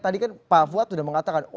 tadi kan pak fuad sudah mengatakan